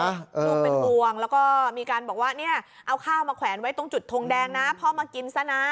ลูกเป็นห่วงแล้วก็มีการบอกว่าเนี่ยเอาข้าวมาแขวนไว้ตรงจุดทงแดงนะพ่อมากินซะนะ